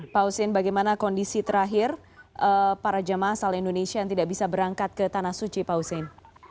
pak husin bagaimana kondisi terakhir para jemaah asal indonesia yang tidak bisa berangkat ke tanah suci pak husin